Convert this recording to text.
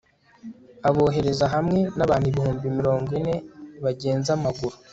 abohereza hamwe n'abantu ibihumbi mirongo ine bagenza amaguru